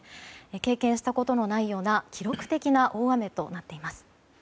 経験したことのないような記録的な大雨となっています。